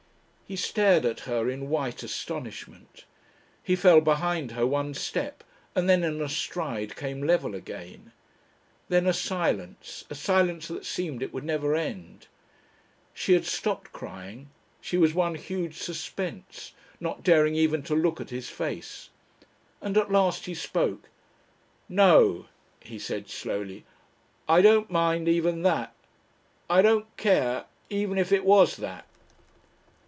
He stared at her in white astonishment. He fell behind her one step, and then in a stride came level again. Then, a silence, a silence that seemed it would never end. She had stopped crying, she was one huge suspense, not daring even to look at his face. And at last he spoke. "No," he said slowly. "I don't mind even that. I don't care even if it was that."